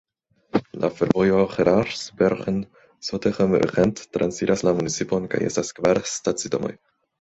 La fervojo Geraardsbergen-Zottegem-Gent transiras la municipon kaj estas kvar stacidomoj.